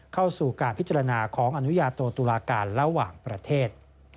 เข้าสู่การพิจารณาของอนุญาโตตุลาการระหว่างประเทศ